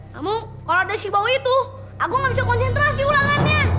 namun kalau ada si bow itu aku gak bisa konsentrasi ulangannya